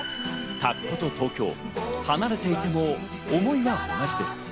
田子と東京、離れていても思いは同じです。